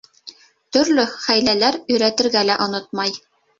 Төрлө хәйләләр өйрәтергә лә онотмай.